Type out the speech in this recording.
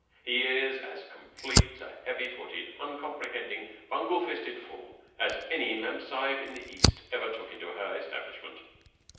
He is as complete a heavy footed, uncomprehending, bungle fisted fool as any mem sahib in the East ever took into her establishment.